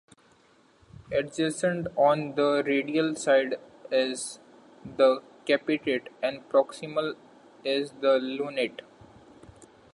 Adjacent on the radial side is the capitate, and proximal is the lunate.